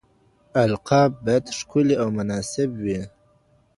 القاب بايد ښکلي او مناسب وي.